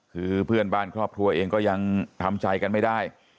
คือเพื่อนบ้านครอบครัวเองก็ยังทำใจกันไม่ได้